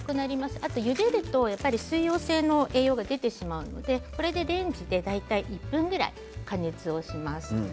あとゆでると水溶性の栄養が出てしまうので、これでレンジで大体１分ぐらい加熱をします。